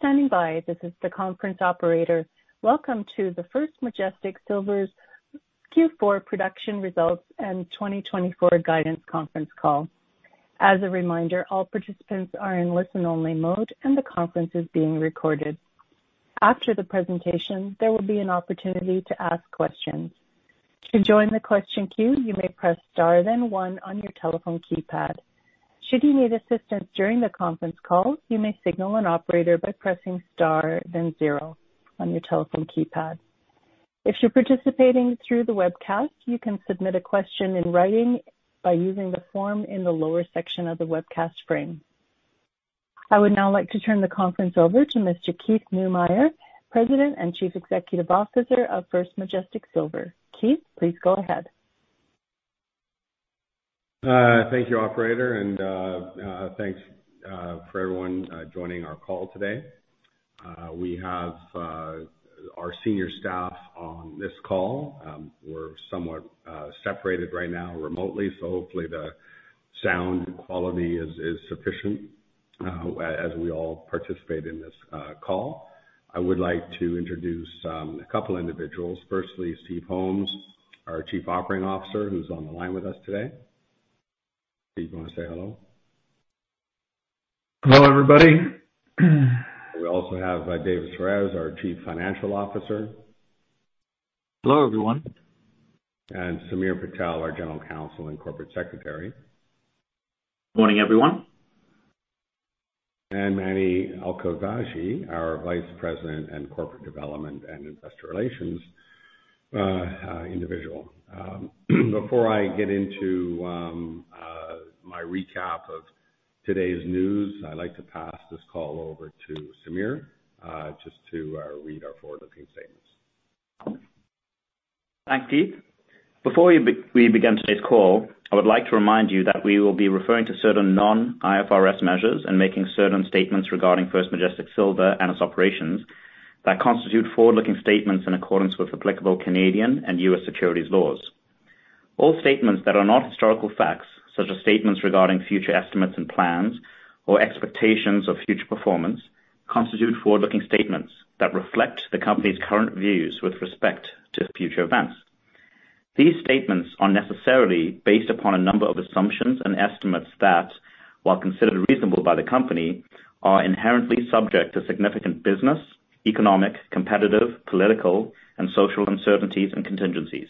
Thank you for standing by. This is the conference operator. Welcome to the First Majestic Silver's Q4 production results and 2024 guidance conference call. As a reminder, all participants are in listen-only mode, and the conference is being recorded. After the presentation, there will be an opportunity to ask questions. To join the question queue, you may press star, then one on your telephone keypad. Should you need assistance during the conference call, you may signal an operator by pressing star, then zero on your telephone keypad. If you're participating through the webcast, you can submit a question in writing by using the form in the lower section of the webcast frame. I would now like to turn the conference over to Mr. Keith Neumeyer, President and Chief Executive Officer of First Majestic Silver. Keith, please go ahead. Thank you, operator, and thanks for everyone joining our call today. We have our senior staff on this call. We're somewhat separated right now remotely, so hopefully the sound quality is sufficient as we all participate in this call. I would like to introduce a couple individuals. Firstly, Steve Holmes, our Chief Operating Officer, who's on the line with us today. Steve, you wanna say hello? Hello, everybody. We also have David Soares, our Chief Financial Officer. Hello, everyone. Samir Patel, our General Counsel and Corporate Secretary. Morning, everyone. Manny Alkhafaji, our Vice President of Corporate Development and Investor Relations. Before I get into my recap of today's news, I'd like to pass this call over to Samir, just to read our forward-looking statements. Thanks, Keith. Before we begin today's call, I would like to remind you that we will be referring to certain non-IFRS measures and making certain statements regarding First Majestic Silver and its operations that constitute forward-looking statements in accordance with applicable Canadian and U.S. securities laws. All statements that are not historical facts, such as statements regarding future estimates and plans or expectations of future performance, constitute forward-looking statements that reflect the company's current views with respect to future events. These statements are necessarily based upon a number of assumptions and estimates that, while considered reasonable by the company, are inherently subject to significant business, economic, competitive, political, and social uncertainties and contingencies.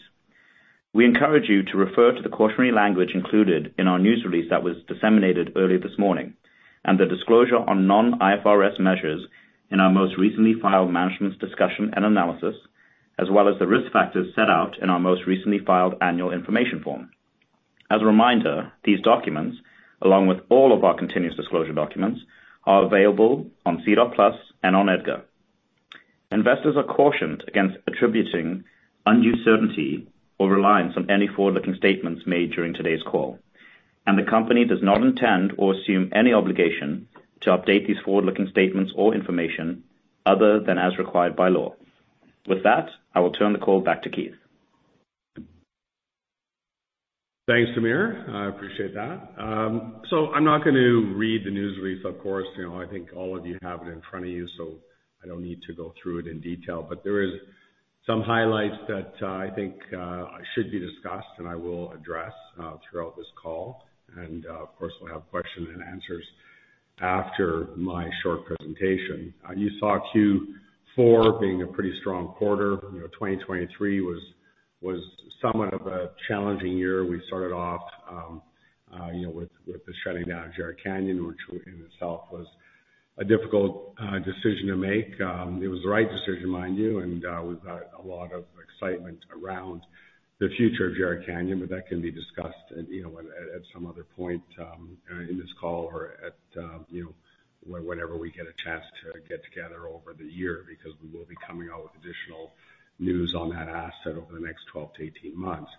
We encourage you to refer to the cautionary language included in our news release that was disseminated early this morning, and the disclosure on non-IFRS measures in our most recently filed management's discussion and analysis, as well as the risk factors set out in our most recently filed annual information form. As a reminder, these documents, along with all of our continuous disclosure documents, are available on SEDAR+ and on EDGAR. Investors are cautioned against attributing undue certainty or reliance on any forward-looking statements made during today's call, and the company does not intend or assume any obligation to update these forward-looking statements or information other than as required by law. With that, I will turn the call back to Keith. Thanks, Samir. I appreciate that. So I'm not going to read the news release, of course. You know, I think all of you have it in front of you, so I don't need to go through it in detail. But there is some highlights that I think should be discussed, and I will address throughout this call. And, of course, we'll have question and answers after my short presentation. You saw Q4 being a pretty strong quarter. You know, 2023 was somewhat of a challenging year. We started off, you know, with the shutting down of Jerritt Canyon, which in itself was a difficult decision to make. It was the right decision, mind you, and we've got a lot of excitement around the future of Jerritt Canyon, but that can be discussed, you know, at, at some other point in this call or at, you know, whenever we get a chance to get together over the year, because we will be coming out with additional news on that asset over the next 12-18 months.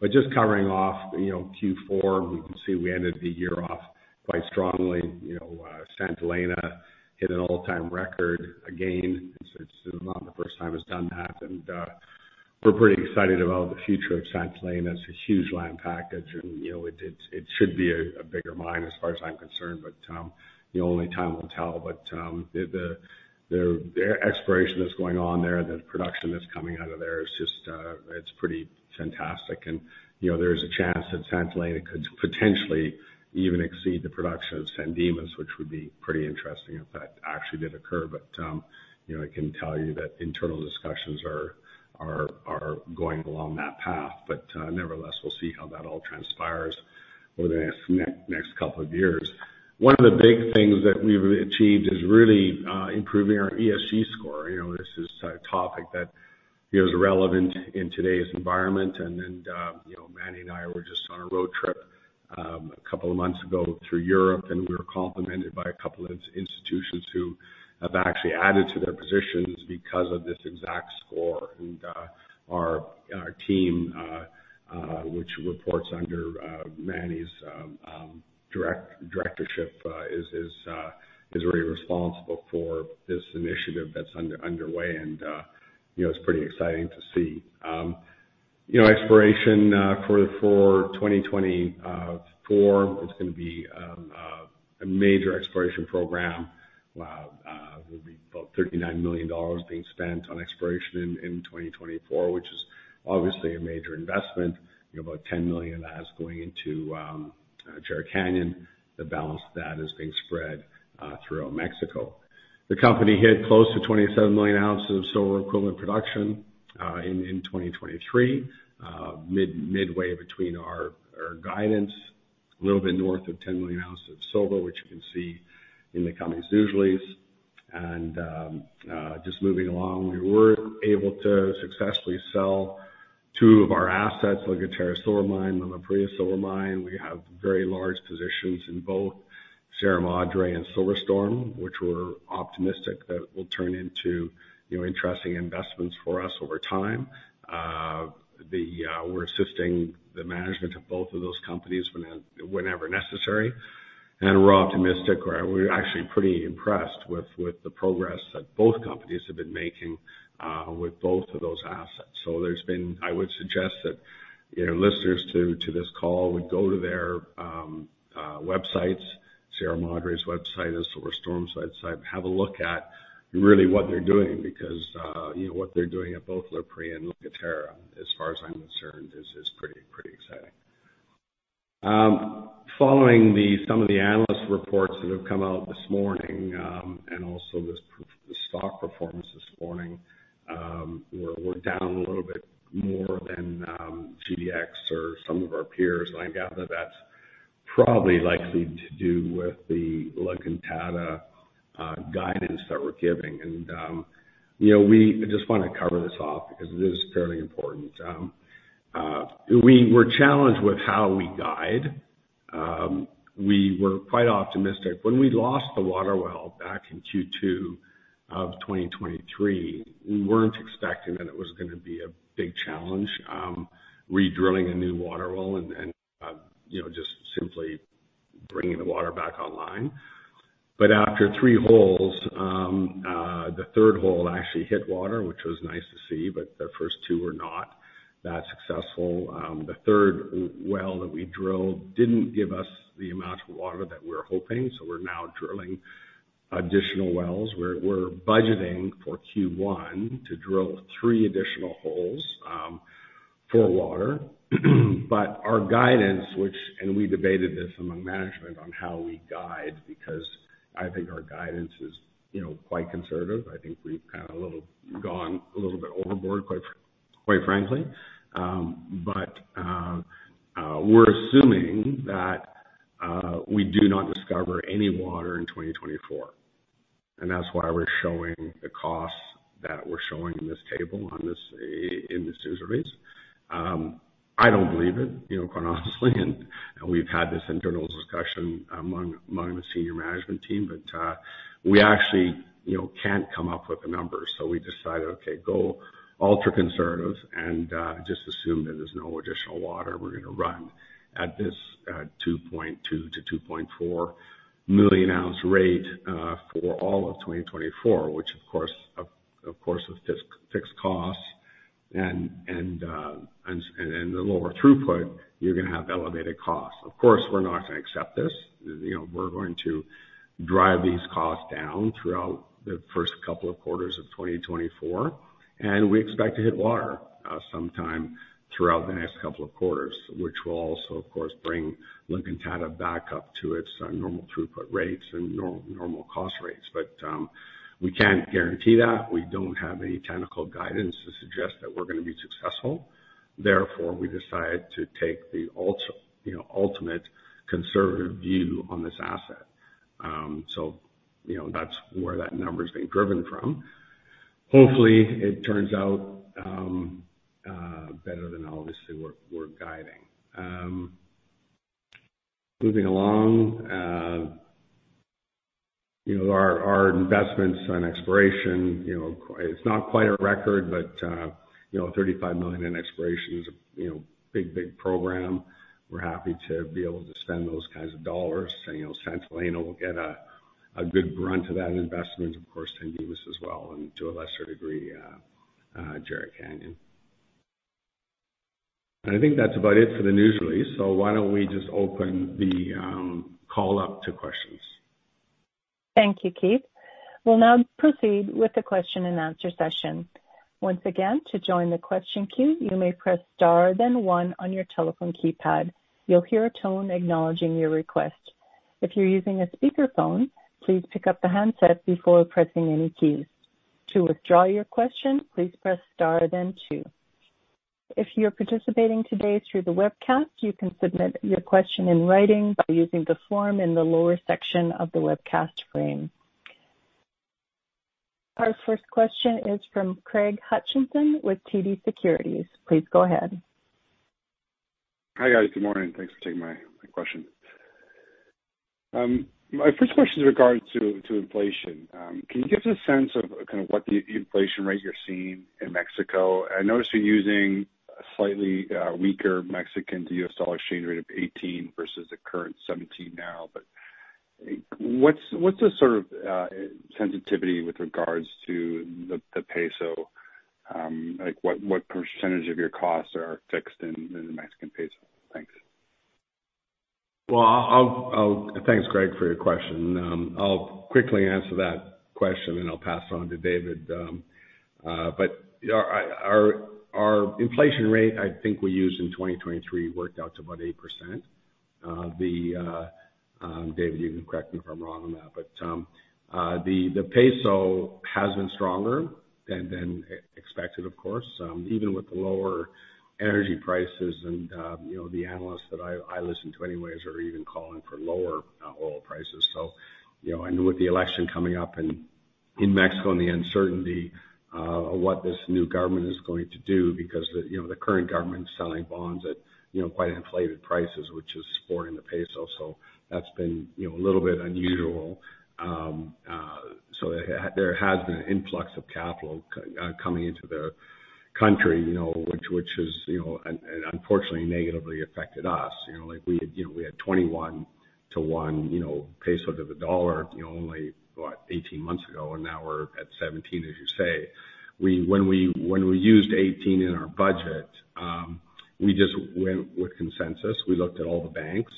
But just covering off, you know, Q4, we can see we ended the year off quite strongly. You know, Santa Elena hit an all-time record again. It's not the first time it's done that, and we're pretty excited about the future of Santa Elena. It's a huge land package, and, you know, it should be a bigger mine as far as I'm concerned. Only time will tell. The exploration that's going on there and the production that's coming out of there is just, it's pretty fantastic. You know, there's a chance that Santa Elena could potentially even exceed the production of San Dimas, which would be pretty interesting if that actually did occur. You know, I can tell you that internal discussions are going along that path, but nevertheless, we'll see how that all transpires over the next couple of years. One of the big things that we've achieved is really improving our ESG score. You know, this is a topic that, you know, is relevant in today's environment. And then, you know, Manny and I were just on a road trip, a couple of months ago through Europe, and we were complimented by a couple of institutions who have actually added to their positions because of this exact score. And, our team, which reports under Manny's directorship, is very responsible for this initiative that's underway, and, you know, it's pretty exciting to see. You know, exploration for 2024, it's gonna be a major exploration program. There'll be about $39 million being spent on exploration in 2024, which is obviously a major investment. You know, about $10 million of that is going into Jerritt Canyon. The balance of that is being spread throughout Mexico. The company hit close to 27 million ounces of silver equivalent production in 2023, midway between our guidance, a little bit north of 10 million ounces of silver, which you can see in the company's news release. And just moving along, we were able to successfully sell two of our assets, La Guitarra Silver Mine and La Parrilla Silver Mine. We have very large positions in both Sierra Madre and Silver Storm, which we're optimistic that will turn into, you know, interesting investments for us over time. We're assisting the management of both of those companies whenever necessary, and we're optimistic, or we're actually pretty impressed with the progress that both companies have been making with both of those assets. So there's been... I would suggest that, you know, listeners to this call would go to their websites, Sierra Madre's website and Silver Storm's website, have a look at really what they're doing, because, you know, what they're doing at both La Parrilla and La Guitarra, as far as I'm concerned, is pretty exciting. Following some of the analyst reports that have come out this morning, and also the stock performance this morning, we're down a little bit more than GDX or some of our peers. And I gather that's probably likely to do with the La Encantada guidance that we're giving. And, you know, we just wanna cover this off because it is fairly important. We were challenged with how we guide. We were quite optimistic. When we lost the water well back in Q2 of 2023, we weren't expecting that it was gonna be a big challenge, redrilling a new water well and, you know, just simply bringing the water back online. But after three holes, the third hole actually hit water, which was nice to see, but the first two were not that successful. The third well that we drilled didn't give us the amount of water that we were hoping, so we're now drilling additional wells. We're budgeting for Q1 to drill three additional holes for water. But our guidance, which... and we debated this among management on how we guide, because I think our guidance is, you know, quite conservative. I think we've kind of a little gone a little bit overboard, quite frankly. But we're assuming that we do not discover any water in 2024, and that's why we're showing the costs that we're showing in this table, in this news release. I don't believe it, you know, quite honestly, and we've had this internal discussion among the senior management team, but we actually, you know, can't come up with the numbers. So we decided, "Okay, go ultra conservative and just assume that there's no additional water. We're gonna run at this 2.2-2.4 million ounce rate for all of 2024," which of course, with fixed costs and the lower throughput, you're gonna have elevated costs. Of course, we're not gonna accept this. You know, we're going to drive these costs down throughout the first couple of quarters of 2024, and we expect to hit water sometime throughout the next couple of quarters, which will also, of course, bring La Encantada back up to its normal throughput rates and normal cost rates. But we can't guarantee that. We don't have any technical guidance to suggest that we're gonna be successful. Therefore, we decided to take the ultimate conservative view on this asset. So, you know, that's where that number's being driven from. Hopefully, it turns out better than obviously we're guiding. Moving along, you know, our investments on exploration, you know, it's not quite a record, but you know, $35 million in exploration is a big, big program. We're happy to be able to spend those kinds of dollars. And, you know, Santa Elena will get a good brunt of that investment, of course, San Dimas as well, and to a lesser degree, Jerritt Canyon. And I think that's about it for the news release, so why don't we just open the call up to questions? Thank you, Keith. We'll now proceed with the question-and-answer session. Once again, to join the question queue, you may press Star, then one on your telephone keypad. You'll hear a tone acknowledging your request. If you're using a speakerphone, please pick up the handset before pressing any keys. To withdraw your question, please press Star, then two. If you're participating today through the webcast, you can submit your question in writing by using the form in the lower section of the webcast frame. Our first question is from Craig Hutchison with TD Securities. Please go ahead. Hi, guys. Good morning. Thanks for taking my question. My first question is regards to inflation. Can you give us a sense of kind of what the inflation rate you're seeing in Mexico? I noticed you're using a slightly weaker Mexican to US dollar exchange rate of 18 versus the current 17 now, but. What's the sort of sensitivity with regards to the peso? Like, what percentage of your costs are fixed in the Mexican peso? Thanks. Well, thanks, Craig, for your question. I'll quickly answer that question, and I'll pass it on to David. But yeah, our inflation rate, I think we used in 2023, worked out to about 8%. David, you can correct me if I'm wrong on that, but the peso has been stronger than expected, of course, even with the lower energy prices. And you know, the analysts that I listen to anyways are even calling for lower oil prices. So you know, with the election coming up in Mexico, and the uncertainty of what this new government is going to do, because you know, the current government is selling bonds at quite inflated prices, which is supporting the peso. So that's been, you know, a little bit unusual. So there has been an influx of capital coming into the country, you know, which is, you know, and unfortunately negatively affected us. You know, like we had, you know, we had 21 to 1, you know, peso to the dollar, you know, only, what? 18 months ago, and now we're at 17, as you say. When we, when we used 18 in our budget, we just went with consensus. We looked at all the banks,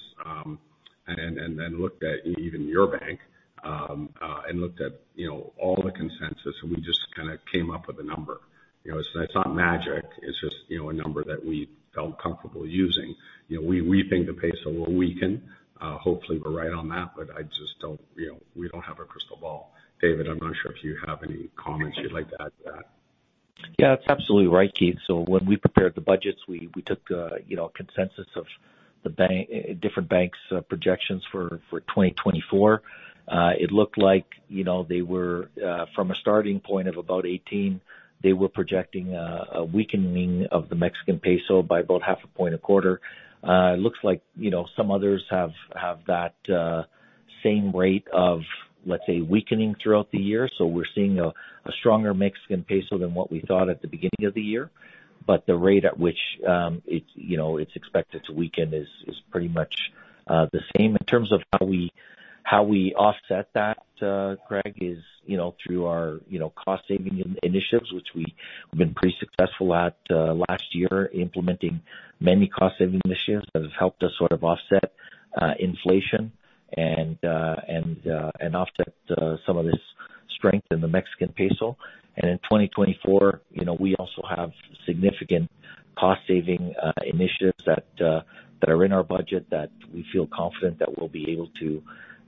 and then looked at even your bank, and looked at, you know, all the consensus, and we just kind of came up with a number. You know, it's not magic. It's just, you know, a number that we felt comfortable using. You know, we, we think the peso will weaken. Hopefully, we're right on that, but I just don't, you know, we don't have a crystal ball. David, I'm not sure if you have any comments you'd like to add to that. Yeah, that's absolutely right, Keith. So when we prepared the budgets, we took, you know, consensus of the bank, different banks' projections for 2024. It looked like, you know, they were from a starting point of about 18, they were projecting a weakening of the Mexican peso by about half a point, a quarter. It looks like, you know, some others have that same rate of, let's say, weakening throughout the year. So we're seeing a stronger Mexican peso than what we thought at the beginning of the year. But the rate at which it's, you know, it's expected to weaken is pretty much the same. In terms of how we offset that, Greg, is, you know, through our, you know, cost saving initiatives, which we've been pretty successful at last year, implementing many cost saving initiatives that have helped us sort of offset inflation and offset some of this strength in the Mexican peso. And in 2024, you know, we also have significant cost saving initiatives that are in our budget that we feel confident that we'll be able to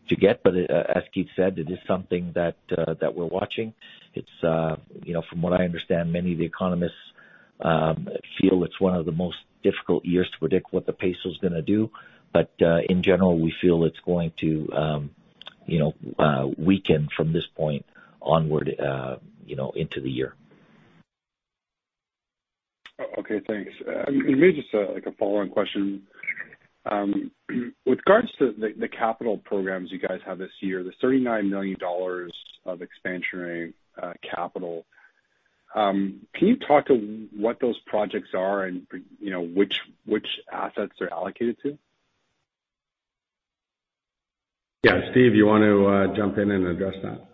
get. But as Keith said, it is something that we're watching. It's, you know, from what I understand, many of the economists feel it's one of the most difficult years to predict what the peso's gonna do. In general, we feel it's going to, you know, weaken from this point onward, you know, into the year. Okay, thanks. Maybe just, like a follow-on question. With regards to the capital programs you guys have this year, the $39 million of expansionary capital, can you talk to what those projects are and, you know, which assets they're allocated to? Yeah. Steve, you want to jump in and address that?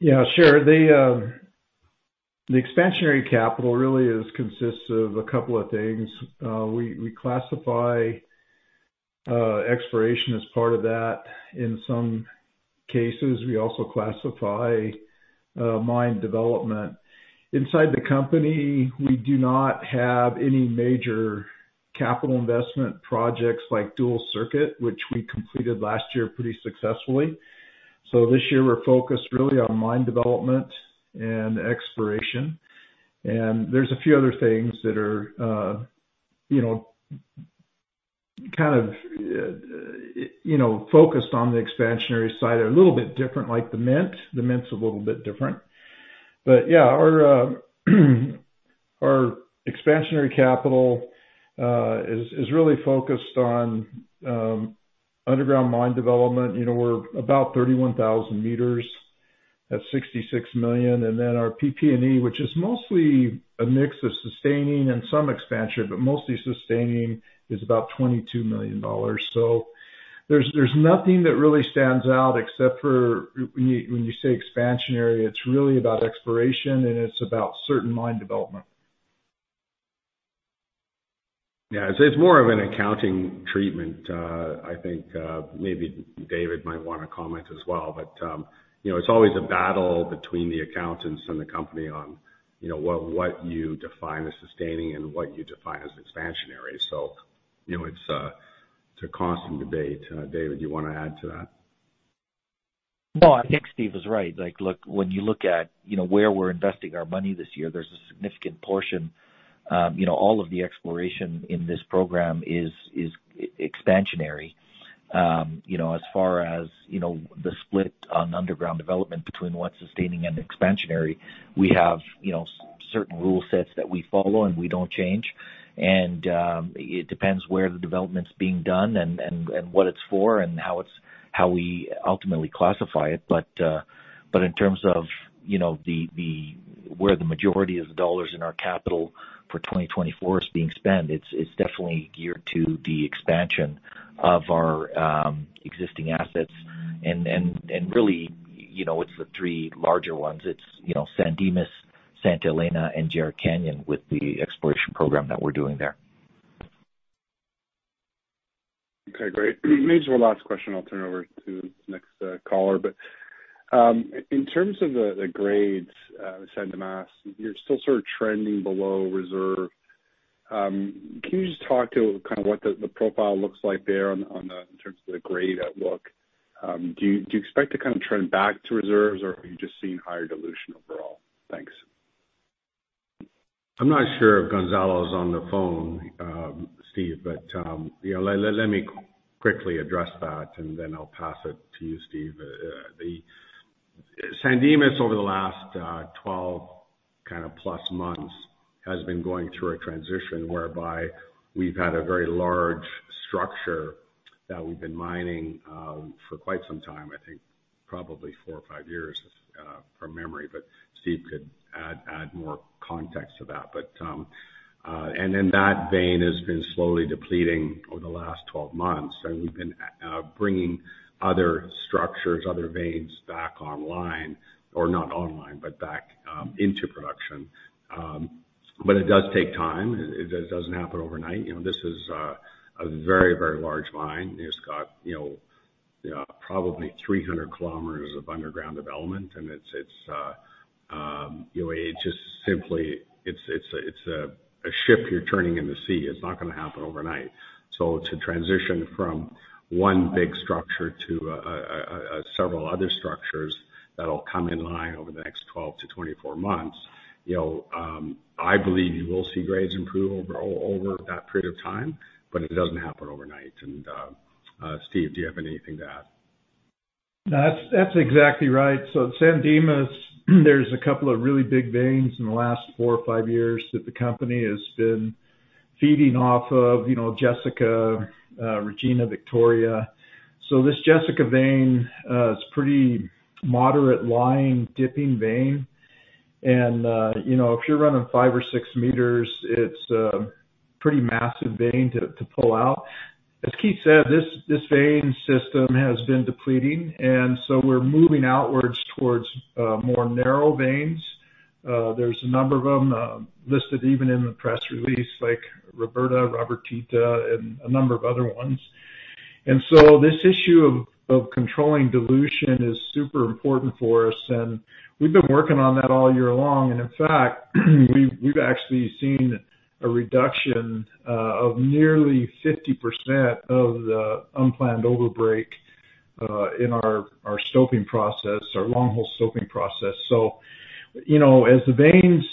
Yeah, sure. The, the expansionary capital really is consists of a couple of things. We, we classify, exploration as part of that. In some cases, we also classify, mine development. Inside the company, we do not have any major capital investment projects like Dual Circuit, which we completed last year pretty successfully. So this year, we're focused really on mine development and exploration, and there's a few other things that are, you know, kind of, you know, focused on the expansionary side. They're a little bit different, like the mint. The mint's a little bit different. But yeah, our, our expansionary capital, is, is really focused on, underground mine development. You know, we're about 31,000 meters at $66 million, and then our PP&E, which is mostly a mix of sustaining and some expansion, but mostly sustaining, is about $22 million. So there's nothing that really stands out except for when you, when you say expansionary, it's really about exploration, and it's about certain mine development. Yeah, it's more of an accounting treatment. I think maybe David might want to comment as well, but you know, it's always a battle between the accountants and the company on, you know, what what you define as sustaining and what you define as expansionary. So, you know, it's a constant debate. David, you want to add to that? No, I think Steve is right. Like, look, when you look at, you know, where we're investing our money this year, there's a significant portion, you know, all of the exploration in this program is expansionary. You know, as far as, you know, the split on underground development between what's sustaining and expansionary, we have, you know, certain rule sets that we follow, and we don't change. And, it depends where the development's being done and what it's for, and how we ultimately classify it. But, but in terms of, you know, where the majority of the dollars in our capital for 2024 is being spent, it's definitely geared to the expansion of our existing assets. And, really, you know, it's the three larger ones. It's, you know, San Dimas, Santa Elena, and Jerritt Canyon, with the exploration program that we're doing there. Okay, great. Maybe the last question, I'll turn it over to the next caller. But in terms of the, the grades, San Dimas, you're still sort of trending below reserve. Can you just talk to kind of what the, the profile looks like there on, on the, in terms of the grade outlook? Do you, do you expect to kind of trend back to reserves, or are you just seeing higher dilution overall? Thanks. I'm not sure if Gonzalo is on the phone, Steve, but yeah, let me quickly address that, and then I'll pass it to you, Steve. The San Dimas, over the last 12 kind of plus months, has been going through a transition whereby we've had a very large structure that we've been mining for quite some time, I think probably four or five years, from memory, but Steve could add more context to that. But and then that vein has been slowly depleting over the last 12 months, and we've been bringing other structures, other veins back online, or not online, but back into production. But it does take time. It doesn't happen overnight. You know, this is a very, very large mine. It's got, you know, probably 300 km of underground development, and it's, it's, you know, it's just simply it's, it's a, it's a ship you're turning in the sea. It's not gonna happen overnight. So to transition from one big structure to several other structures that'll come in line over the next 12-24 months, you know, I believe you will see grades improve over, over that period of time, but it doesn't happen overnight. And, Steve, do you have anything to add? No, that's exactly right. So San Dimas, there's a couple of really big veins in the last four or five years that the company has been feeding off of, you know, Jessica, Regina, Victoria. So this Jessica vein is pretty moderately lying, dipping vein. And you know, if you're running five or six meters, it's a pretty massive vein to pull out. As Keith said, this vein system has been depleting, and so we're moving outwards towards more narrow veins. There's a number of them listed even in the press release, like Roberta, Robertita, and a number of other ones. And so this issue of controlling dilution is super important for us, and we've been working on that all year long. In fact, we've actually seen a reduction of nearly 50% of the unplanned overbreak in our stoping process, our Long-Hole Stoping process. So, you know, as the veins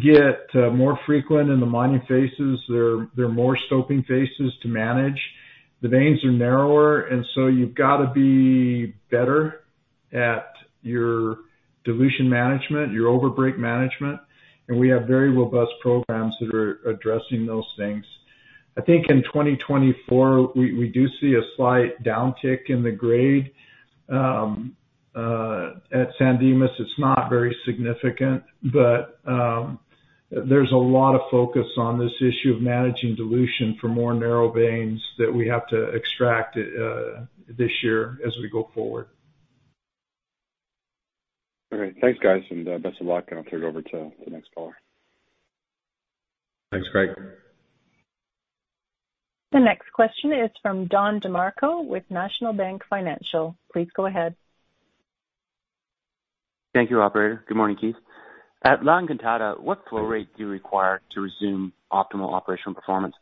get more frequent in the mining phases, there are more stoping phases to manage. The veins are narrower, and so you've got to be better at your dilution management, your overbreak management, and we have very robust programs that are addressing those things. I think in 2024, we do see a slight downtick in the grade. At San Dimas, it's not very significant, but there's a lot of focus on this issue of managing dilution for more narrow veins that we have to extract this year as we go forward. All right. Thanks, guys, and, best of luck, and I'll turn it over to the next caller. Thanks, Greg. The next question is from Don DeMarco with National Bank Financial. Please go ahead. Thank you, operator. Good morning, Keith. At La Encantada, what flow rate do you require to resume optimal operational performance?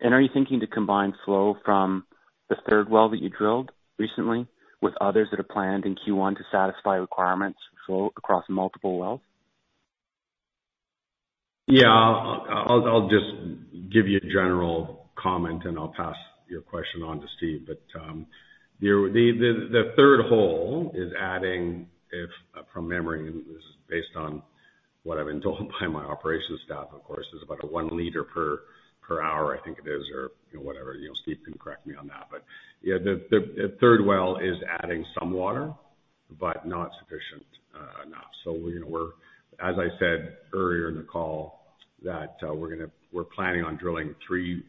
And are you thinking to combine flow from the third well that you drilled recently with others that are planned in Q1 to satisfy requirements flow across multiple wells? Yeah, I'll just give you a general comment, and I'll pass your question on to Steve. But the third hole is adding, if from memory, this is based on what I've been told by my operations staff, of course, is about a one liter per hour, I think it is, or, you know, whatever. You know, Steve can correct me on that. But yeah, the third well is adding some water, but not sufficient enough. So, you know, we're... As I said earlier in the call, that we're gonna-- we're planning on drilling three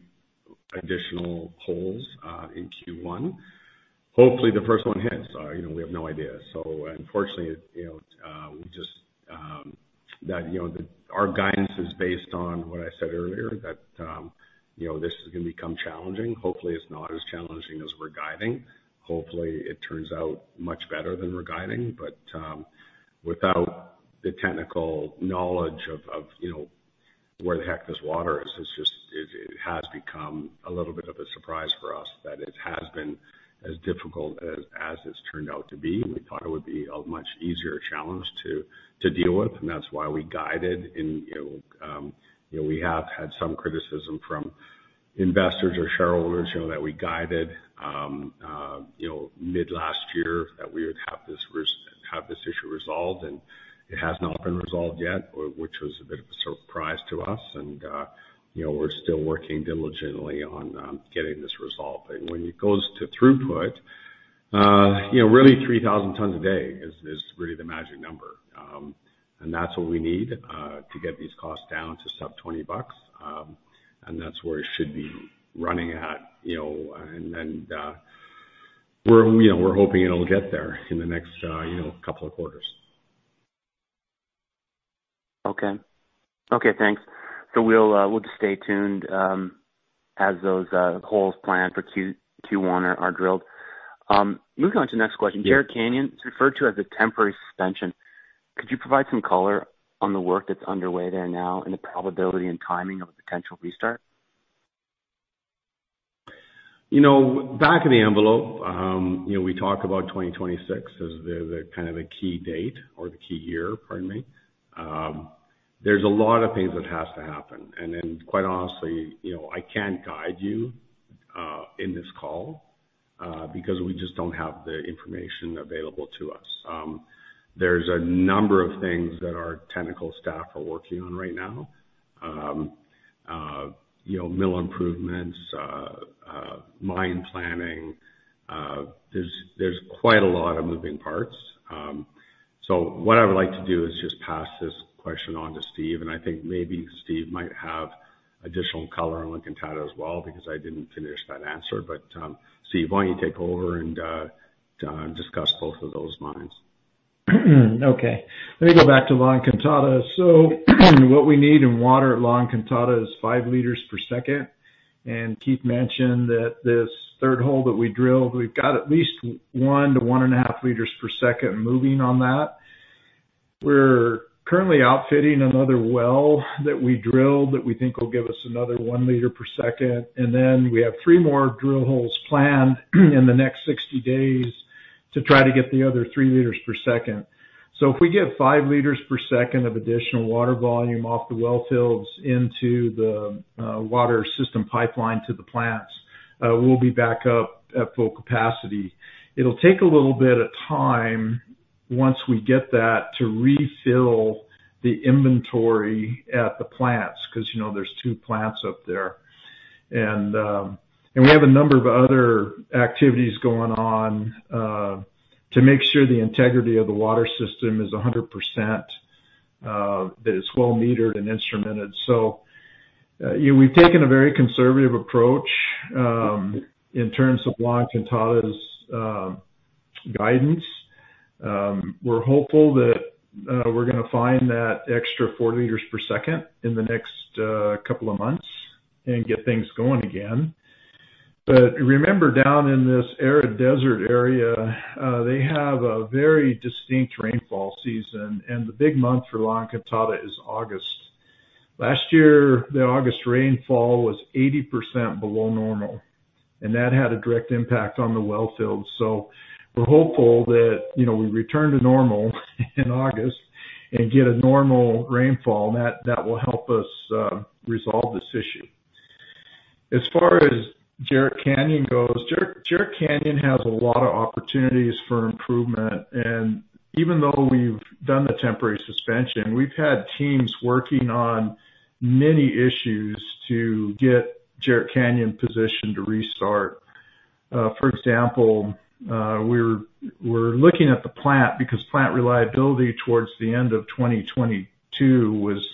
additional holes in Q1. Hopefully, the first one hits, you know, we have no idea. So unfortunately, you know, we just that you know the our guidance is based on what I said earlier that you know this is gonna become challenging. Hopefully, it's not as challenging as we're guiding. Hopefully, it turns out much better than we're guiding. But without the technical knowledge of you know where the heck this water is, it's just it has become a little bit of a surprise for us that it has been as difficult as it's turned out to be. We thought it would be a much easier challenge to deal with, and that's why we guided and, you know, you know, we have had some criticism from investors or shareholders, you know, that we guided, you know, mid-last year, that we would have this have this issue resolved, and it has not been resolved yet, which was a bit of a surprise to us. And, you know, we're still working diligently on getting this resolved. But when it goes to throughput, you know, really, 3,000 tons a day is really the magic number. And that's what we need to get these costs down to sub-$20. And that's where it should be running at, you know, and then, you know, we're hoping it'll get there in the next, you know, couple of quarters. Okay. Okay, thanks. So we'll just stay tuned as those holes planned for Q1 are drilled. Moving on to the next question. Jerritt Canyon, it's referred to as a temporary suspension. Could you provide some color on the work that's underway there now and the probability and timing of a potential restart? You know, back of the envelope, you know, we talk about 2026 as the kind of key date or the key year, pardon me. There's a lot of things that has to happen. And then, quite honestly, you know, I can't guide you in this call because we just don't have the information available to us. There's a number of things that our technical staff are working on right now. You know, mill improvements, mine planning, there's quite a lot of moving parts. So what I would like to do is just pass this question on to Steve, and I think maybe Steve might have additional color on La Encantada as well, because I didn't finish that answer. But, Steve, why don't you take over and discuss both of those mines? Okay, let me go back to La Encantada. So, what we need in water at La Encantada is 5 liters per second. And Keith mentioned that this third hole that we drilled, we've got at least 1-1.5 liters per second moving on that. We're currently outfitting another well that we drilled, that we think will give us another 1 liter per second, and then we have three more drill holes planned in the next 60 days to try to get the other three liters per second. So if we get five liters per second of additional water volume off the wellfields into the water system pipeline to the plants, we'll be back up at full capacity. It'll take a little bit of time once we get that, to refill the inventory at the plants, because, you know, there's two plants up there. We have a number of other activities going on to make sure the integrity of the water system is 100%, that it's well metered and instrumented. So, we've taken a very conservative approach in terms of La Encantada's guidance. We're hopeful that we're gonna find that extra 4 liters per second in the next couple of months and get things going again. But remember, down in this arid desert area, they have a very distinct rainfall season, and the big month for La Encantada is August. Last year, the August rainfall was 80% below normal, and that had a direct impact on the wellfield. So we're hopeful that, you know, we return to normal in August and get a normal rainfall, and that will help us resolve this issue. As far as Jerritt Canyon goes, Jerritt Canyon has a lot of opportunities for improvement, and even though we've done the temporary suspension, we've had teams working on many issues to get Jerritt Canyon positioned to restart. For example, we're looking at the plant because plant reliability towards the end of 2022 was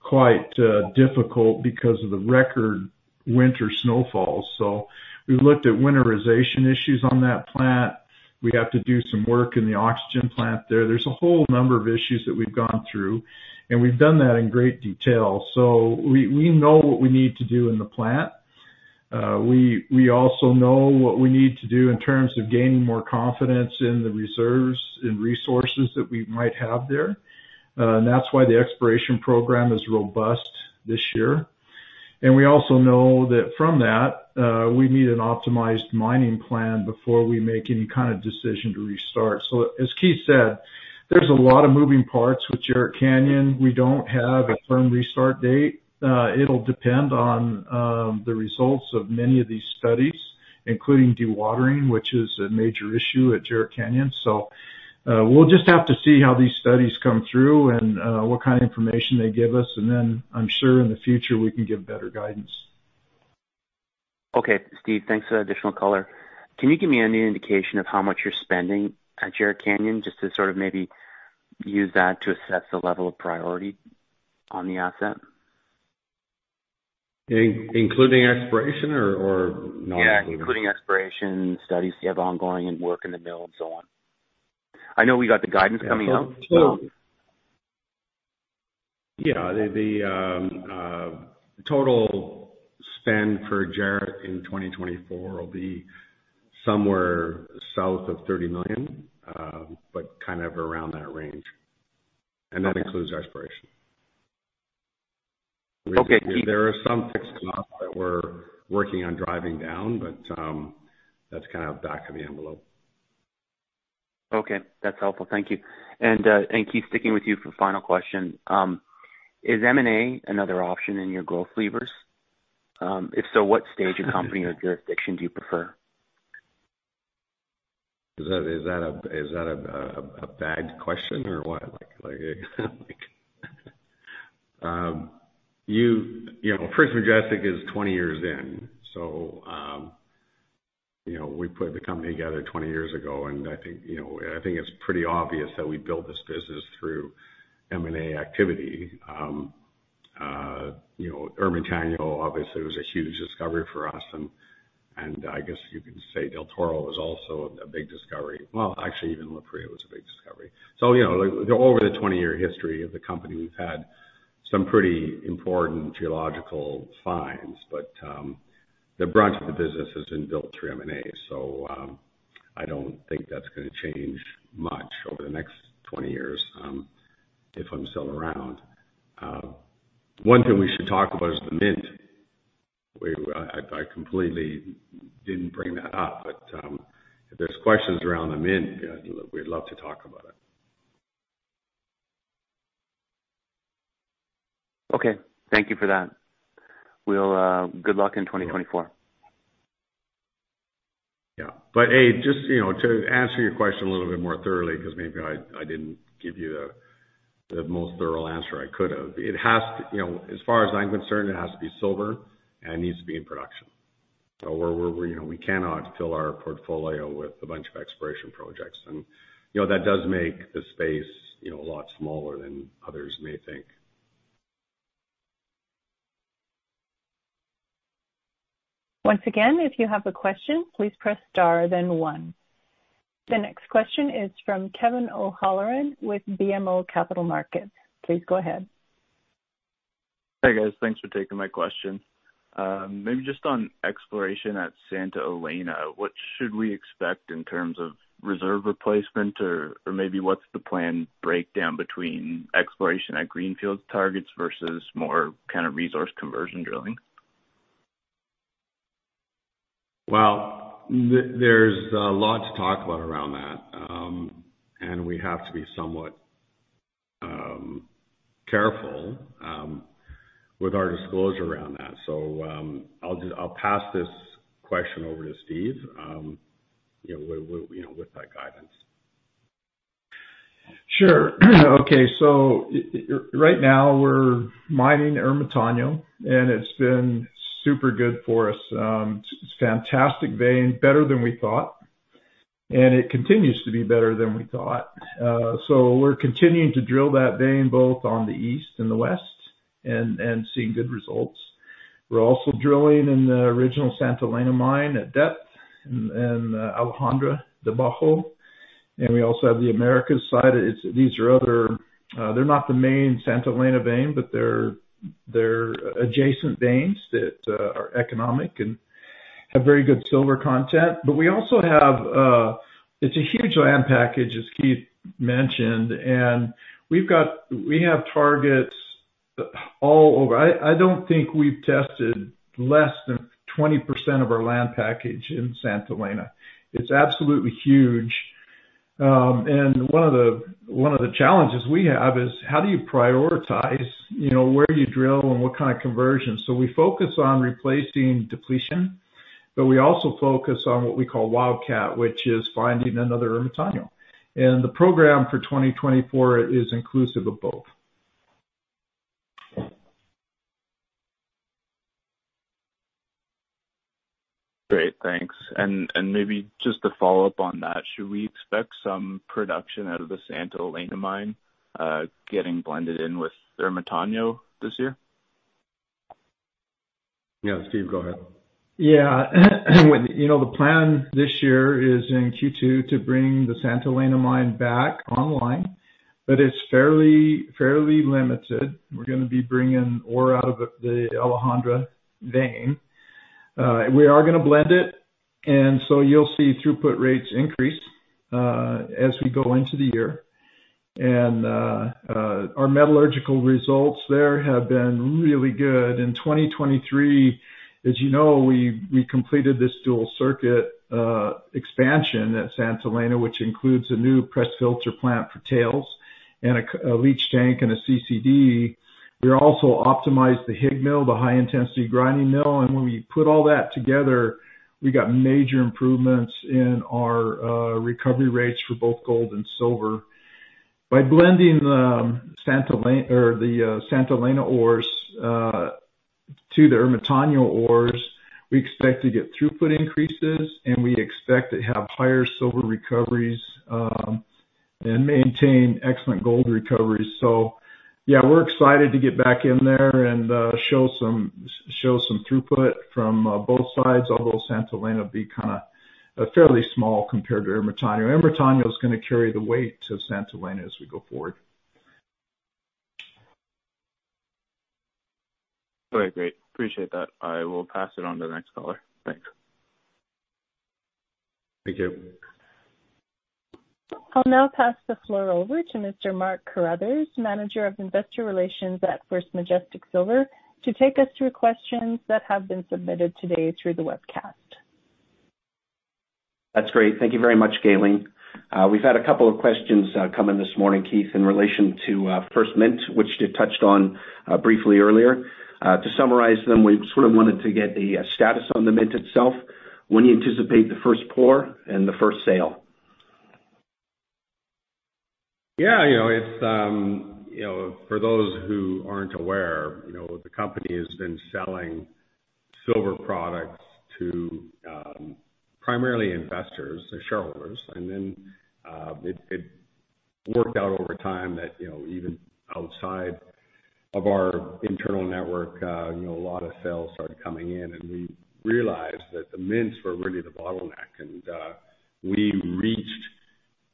quite difficult because of the record winter snowfalls. So we looked at winterization issues on that plant. We have to do some work in the oxygen plant there. There's a whole number of issues that we've gone through, and we've done that in great detail. So we know what we need to do in the plant. We also know what we need to do in terms of gaining more confidence in the reserves and resources that we might have there. That's why the exploration program is robust this year. We also know that from that, we need an optimized mining plan before we make any kind of decision to restart. As Keith said, there's a lot of moving parts with Jerritt Canyon. We don't have a firm restart date. It'll depend on the results of many of these studies, including dewatering, which is a major issue at Jerritt Canyon. We'll just have to see how these studies come through and what kind of information they give us, and then I'm sure in the future, we can give better guidance. Okay, Steve, thanks for the additional color. Can you give me any indication of how much you're spending at Jerritt Canyon, just to sort of maybe use that to assess the level of priority on the asset? Including exploration or not including? Yeah, including exploration studies you have ongoing and work in the mill and so on. I know we got the guidance coming out, so. Yeah, total spend for Jerritt in 2024 will be somewhere south of $30 million, but kind of around that range. Okay. That includes exploration. Okay, Keith- There are some fixed costs that we're working on driving down, but, that's kind of back of the envelope. Okay. That's helpful. Thank you. And Keith, sticking with you for final question: Is M&A another option in your growth levers? If so, what stage of company or jurisdiction do you prefer? Is that a bad question or what? You know, First Majestic is 20 years in. So, you know, we put the company together 20 years ago, and I think, you know, I think it's pretty obvious that we built this business through M&A activity. You know, Ermitaño obviously was a huge discovery for us, and I guess you could say Del Toro was also a big discovery. Well, actually, even La Parrilla was a big discovery. So, you know, over the 20-year history of the company, we've had some pretty important geological finds, but the brunt of the business has been built through M&A. So, I don't think that's gonna change much over the next 20 years, if I'm still around. One thing we should talk about is the mint. I completely didn't bring that up, but if there's questions around the mint, we'd love to talk about it. Okay. Thank you for that. Well, good luck in 2024. Yeah. But hey, just, you know, to answer your question a little bit more thoroughly, because maybe I didn't give you the most thorough answer I could have. It has to... You know, as far as I'm concerned, it has to be silver, and it needs to be in production. So we're, you know, we cannot fill our portfolio with a bunch of exploration projects. And, you know, that does make the space, you know, a lot smaller than others may think. Once again, if you have a question, please press Star, then One. The next question is from Kevin O'Halloran with BMO Capital Markets. Please go ahead. Hi, guys. Thanks for taking my question. Maybe just on exploration at Santa Elena, what should we expect in terms of reserve replacement? Or maybe what's the planned breakdown between exploration at greenfield targets versus more kind of resource conversion drilling? Well, there's a lot to talk about around that, and we have to be somewhat careful with our disclosure around that. So, I'll pass this question over to Steve, you know, with that guidance. Sure. Okay, so right now, we're mining Ermitaño, and it's been super good for us. It's fantastic vein, better than we thought, and it continues to be better than we thought. So we're continuing to drill that vein both on the east and the west, and seeing good results. We're also drilling in the original Santa Elena mine at depth and Alejandra Bajo, and we also have the Americas side. These are other. They're not the main Santa Elena vein, but they're adjacent veins that are economic and have very good silver content. But we also have, it's a huge land package, as Keith mentioned, and we have targets all over. I don't think we've tested less than 20% of our land package in Santa Elena. It's absolutely huge. And one of the, one of the challenges we have is: how do you prioritize, you know, where you drill and what kind of conversion? So we focus on replacing depletion, but we also focus on what we call wildcat, which is finding another Ermitaño. And the program for 2024 is inclusive of both. Great, thanks. And, and maybe just to follow up on that, should we expect some production out of the Santa Elena mine, getting blended in with Ermitaño this year? Yeah, Steve, go ahead. Yeah. You know, the plan this year is in Q2 to bring the Santa Elena mine back online, but it's fairly, fairly limited. We're gonna be bringing ore out of the Alejandra vein. We are gonna blend it, and so you'll see throughput rates increase as we go into the year. Our metallurgical results there have been really good. In 2023, as you know, we completed this dual circuit expansion at Santa Elena, which includes a new press filter plant for tails and a leach tank and a CCD. We also optimized the HIGmill, the high-intensity grinding mill, and when we put all that together, we got major improvements in our recovery rates for both gold and silver. By blending the Santa Elena ores to the Ermitaño ores, we expect to get throughput increases, and we expect to have higher silver recoveries, and maintain excellent gold recoveries. So yeah, we're excited to get back in there and show some throughput from both sides, although Santa Elena will be kind of fairly small compared to Ermitaño. And Ermitaño is gonna carry the weight to Santa Elena as we go forward. All right. Great. Appreciate that. I will pass it on to the next caller. Thanks. Thank you. I'll now pass the floor over to Mr. Mark Carruthers, Manager of Investor Relations at First Majestic Silver, to take us through questions that have been submitted today through the webcast. That's great. Thank you very much, Galen. We've had a couple of questions come in this morning, Keith, in relation to First Mint, which you touched on briefly earlier. To summarize them, we sort of wanted to get the status on the mint itself. When do you anticipate the first pour and the first sale? ... Yeah, you know, it's, you know, for those who aren't aware, you know, the company has been selling silver products to primarily investors and shareholders, and then it worked out over time that, you know, even outside of our internal network, you know, a lot of sales started coming in, and we realized that the mints were really the bottleneck. We reached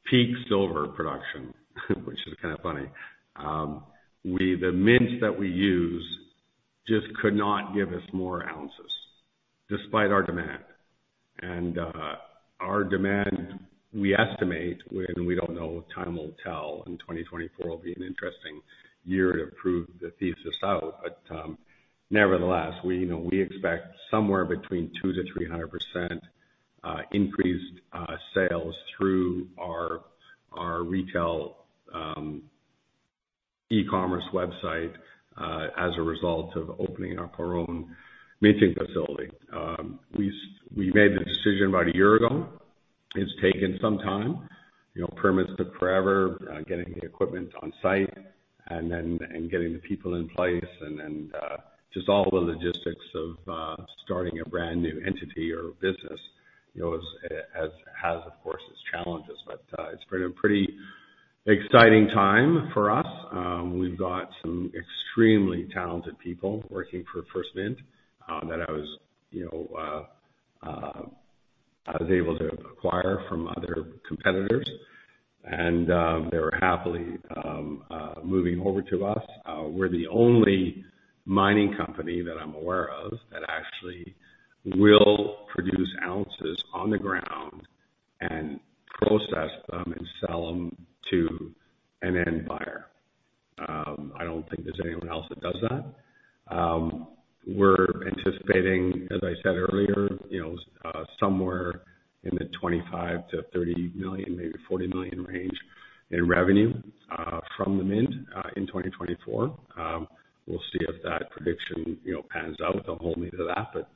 peak silver production, which is kind of funny. We, the mints that we use just could not give us more ounces despite our demand. Our demand, we estimate, and we don't know. Time will tell, and 2024 will be an interesting year to prove the thesis out. But, nevertheless, we, you know, we expect somewhere between 200%-300% increased sales through our, our retail e-commerce website as a result of opening up our own minting facility. We made the decision about a year ago. It's taken some time. You know, permits took forever, getting the equipment on site and then, and getting the people in place and, and just all the logistics of starting a brand new entity or business, you know, is, has, of course, its challenges. But, it's been a pretty exciting time for us. We've got some extremely talented people working for First Mint that I was, you know, I was able to acquire from other competitors, and they were happily moving over to us. We're the only mining company that I'm aware of that actually will produce ounces on the ground and process them and sell them to an end buyer. I don't think there's anyone else that does that. We're anticipating, as I said earlier, you know, somewhere in the $25 million-$30 million, maybe $40 million range in revenue, from the mint, in 2024. We'll see if that prediction, you know, pans out. Don't hold me to that, but,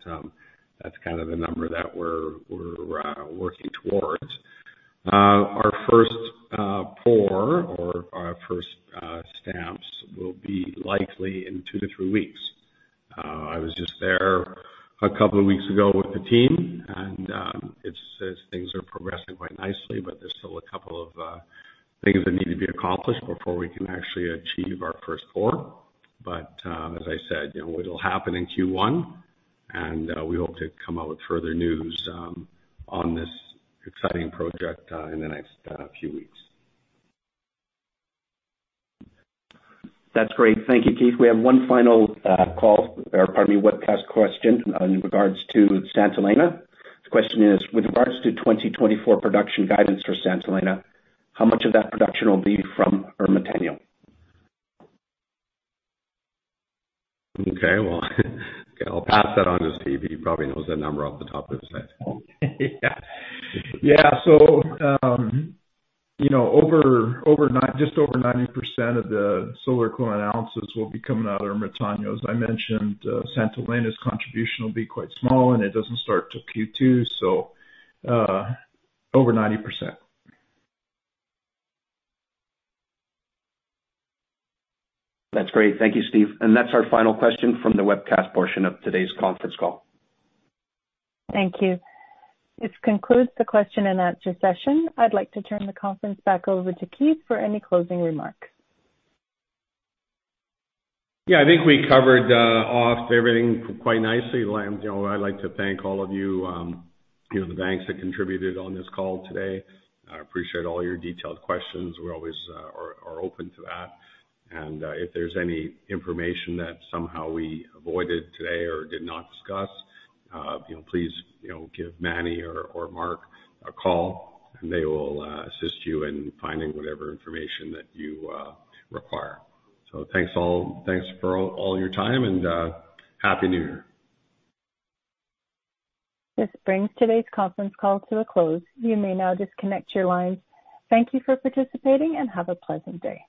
that's kind of the number that we're working towards. Our first pour or our first stamps will be likely in two to three weeks. I was just there a couple of weeks ago with the team, and it says things are progressing quite nicely, but there's still a couple of things that need to be accomplished before we can actually achieve our first pour. But as I said, you know, it'll happen in Q1, and we hope to come out with further news on this exciting project in the next few weeks. That's great. Thank you, Keith. We have one final call or pardon me, webcast question in regards to Santa Elena. The question is: with regards to 2024 production guidance for Santa Elena, how much of that production will be from Ermitaño? Okay, well, I'll pass that on to Steve. He probably knows that number off the top of his head. Yeah. Yeah, so, you know, just over 90% of the silver-equivalent ounces will be coming out of Ermitaño. As I mentioned, Santa Elena's contribution will be quite small, and it doesn't start till Q2, so, over 90%. That's great. Thank you, Steve. That's our final question from the webcast portion of today's conference call. Thank you. This concludes the question and answer session. I'd like to turn the conference back over to Keith for any closing remarks. Yeah, I think we covered off everything quite nicely. And, you know, I'd like to thank all of you, you know, the banks that contributed on this call today. I appreciate all your detailed questions. We're always open to that. And if there's any information that somehow we avoided today or did not discuss, you know, please, you know, give Manny or Mark a call, and they will assist you in finding whatever information that you require. So thanks all. Thanks for all your time and Happy New Year. This brings today's conference call to a close. You may now disconnect your lines. Thank you for participating, and have a pleasant day.